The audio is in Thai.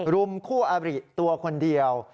รุมคู่อบริตัวคนเดียว